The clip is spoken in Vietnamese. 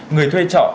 người thuê trọ